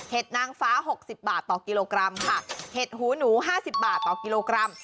นางฟ้าหกสิบบาทต่อกิโลกรัมค่ะเห็ดหูหนูห้าสิบบาทต่อกิโลกรัม